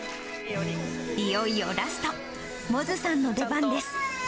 いよいよラスト、百舌さんの出番です。